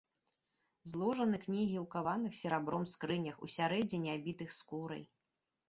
Зложаны кнігі ў каваных серабром скрынях, усярэдзіне абітых скурай.